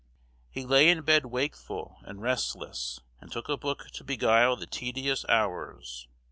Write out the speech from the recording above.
He lay in bed wakeful and restless, and took a book to beguile the tedious hours.